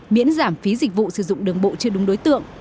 miễn giảm phí dịch vụ sử dụng đường bộ chưa đúng đối tượng